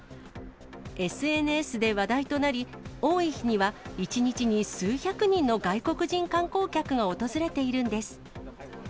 ＳＮＳで話題となり、多い日には１日に数百人の外国人観光客が訪れているんです。